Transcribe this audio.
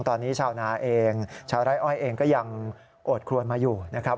ตอนนี้ชาวนาเองชาวไร้อ้อยเองก็ยังโอดครวนมาอยู่นะครับ